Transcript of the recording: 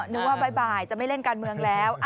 นึกว่าบ่ายจะไม่เล่นการเมืองแล้ว